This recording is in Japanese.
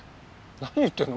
何言ってんの？